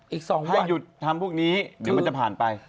อีก๒วันถ้าหยุดทำพวกนี้เดี๋ยวมันจะผ่านไป